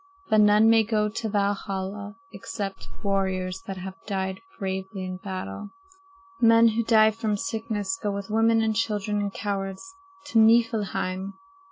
But none may go to Valhalla except warriors that have died bravely in battle. Men who die from sickness go with women and children and cowards to Niflheim.